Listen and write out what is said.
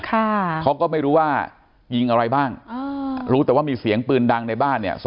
เขาก็ไม่รู้ว่ายิงอะไรบ้างอ่ารู้แต่ว่ามีเสียงปืนดังในบ้านเนี่ย